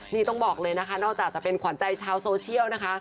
นี่ต้องบอกเลยนะคะนอกจากจะเป็นขวัญใจชาวโซเชียลนะคะ